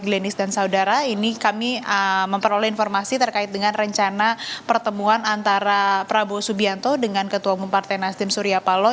lenis dan saudara ini kami memperoleh informasi terkait dengan rencana pertemuan antara prabowo subianto dengan ketua umum partai nasdem surya paloh